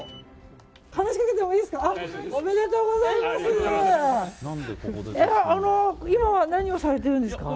話しかけてもいいですか。